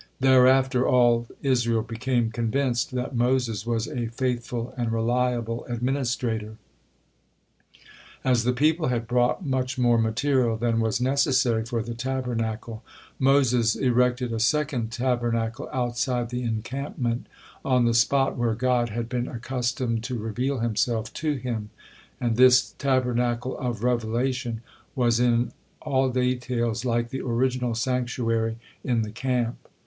Thereafter all Israel became convinced that Moses was a faithful and reliable administrator. As the people had brought much more material than was necessary for the Tabernacle, Moses erected a second Tabernacle outside the encampment on the spot where God had been accustomed to reveal Himself to him, and this "Tabernacle of revelation" was in all details like the original sanctuary in the camp.